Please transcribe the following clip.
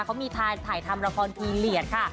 เขามีถ่ายทำละครพีเรียสค่ะ